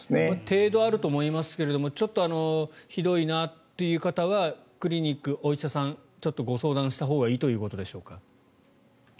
程度はあると思いますがちょっとひどいなっていう方はクリニック、お医者さんちょっとご相談したほうがいいということでしょうか？